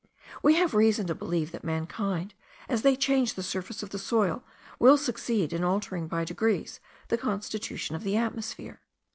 We have reason to believe that mankind, as they change the surface of the soil, will succeed in altering by degrees the constitution of the atmosphere.